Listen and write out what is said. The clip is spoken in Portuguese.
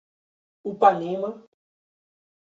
Upanema